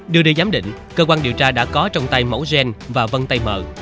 đưa đi giám định cơ quan điều tra đã có trong tay mẫu gen và vân tay mờ